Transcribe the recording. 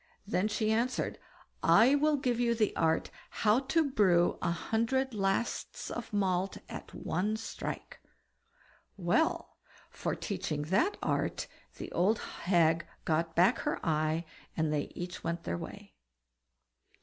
Then she answered: "I'll give you the art how to brew a hundred lasts of malt at one strike." Well! for teaching that art the old hag got back her eye, and they each went their way.